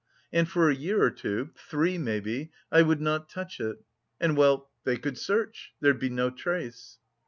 And for a year or two, three maybe, I would not touch it. And, well, they could search! There'd be no trace."